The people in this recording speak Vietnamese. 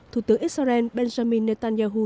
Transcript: thủ tướng israel benjamin netanyahu